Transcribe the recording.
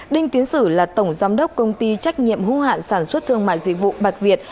đinh tiến sử là tổng giám đốc công ty trách nhiệm hữu hạn sản xuất thương mại dịch vụ bạch việt